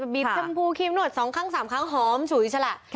มีแชมพูครีมหนวด๒ครั้ง๓ครั้งแหองสูงสุดลเหหะ